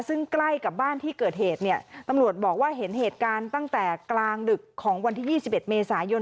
ซึ่งใกล้กับบ้านที่เกิดเหตุเนี่ยตำรวจบอกว่าเห็นเหตุการณ์ตั้งแต่กลางดึกของวันที่๒๑เมษายน